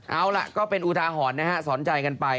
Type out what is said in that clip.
เอาล่ะก็เป็นอุทาหรณ์นะฮะสอนใจกันไป